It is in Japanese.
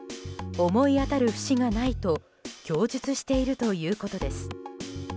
思い当たる節がないと供述しているということです。